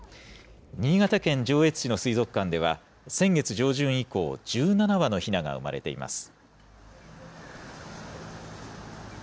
新潟県上越市の水族館では、先月上旬以降、１７羽のひなが産まれています。